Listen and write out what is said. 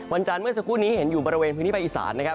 จันทร์เมื่อสักครู่นี้เห็นอยู่บริเวณพื้นที่ภาคอีสานนะครับ